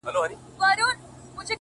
• خوله یې وازه کړه آواز ته سمدلاسه,